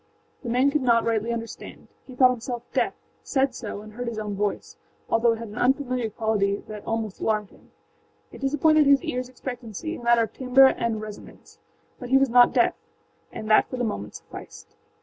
The man could not rightly understand: he thought himself deaf; said so, and heard his own voice, although it had an unfamiliar quality that almost alarmed him; it disappointed his earsâ expectancy in the matter of timbre and resonance. But he was not deaf, and that for the moment sufficed.